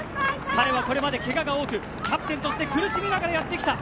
彼はこれまで怪我が多くキャプテンとして苦しみながらやってきた